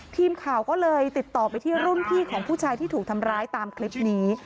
ทีมข่าวก็เลยติดต่อไปที่รุ่นพี่ของผู้ชายที่ถูกทำร้ายตามคลิปนี้